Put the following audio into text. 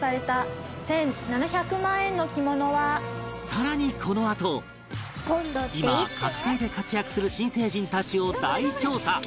更にこのあと今各界で活躍する新成人たちを大調査